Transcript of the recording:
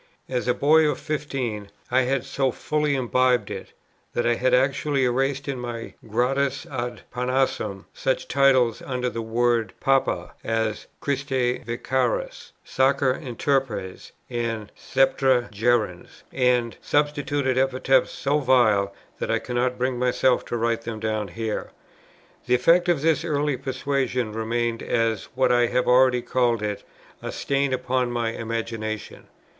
As a boy of fifteen, I had so fully imbibed it, that I had actually erased in my Gradus ad Parnassum, such titles, under the word "Papa," as "Christi Vicarius," "sacer interpres," and "sceptra gerens," and substituted epithets so vile that I cannot bring myself to write them down here. The effect of this early persuasion remained as, what I have already called it, a "stain upon my imagination."